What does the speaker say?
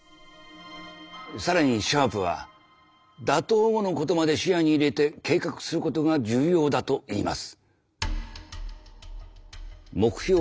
更にシャープは打倒後のことまで視野に入れて計画することが重要だと言います。